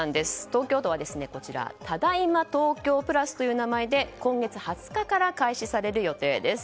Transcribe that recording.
東京都はただいま東京プラスという名前で今月２０日から開始される予定です。